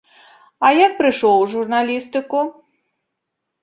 А як прыйшоў у журналістыку?